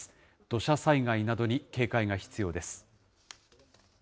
土砂災害などに警戒が必要です。